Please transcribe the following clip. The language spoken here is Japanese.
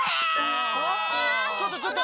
ちょっとちょっと！